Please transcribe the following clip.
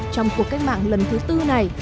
trong cuộc cách mạng lần thứ bốn này